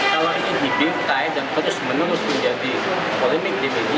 kalau ini dibintai dan terus menerus menjadi polemik di media